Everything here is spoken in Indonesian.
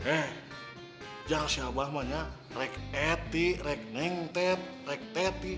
eh yang si abah mahnya rek eti rek neng tet rek teti